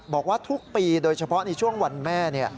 บอกว่าทุกปีโดยเฉพาะในช่วงวันแม่